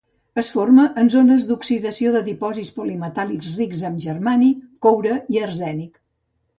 Es forma en zones d’oxidació de dipòsits polimetàl·lics rics en germani, coure i arsènic.